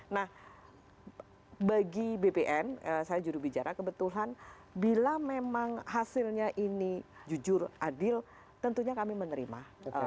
nah bagi bpn saya jurubicara kebetulan bila memang hasilnya ini jujur adil tentunya kami menerima